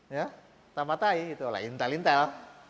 ya mata matai oleh intel intel